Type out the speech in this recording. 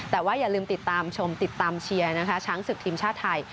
แต่ว่าอย่าลืมติดตามชมติดตามเชียร์นะคะช้างศึกทีมชาติไทย